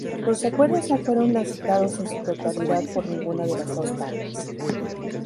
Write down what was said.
Los acuerdos no fueron aceptados en su totalidad por ninguna de las dos partes.